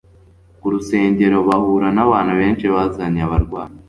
ku rusengero, bahura n'abantu benshi bazanye abarwayi,